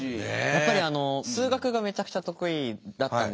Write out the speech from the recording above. やっぱりあの数学がめちゃくちゃ得意だったんですけど。